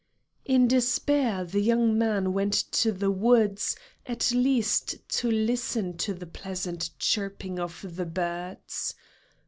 In despair, the young man went to the woods at least to listen to the pleasant chirping of the birds.